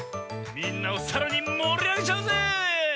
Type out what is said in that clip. みんなをさらにもりあげちゃうぜ！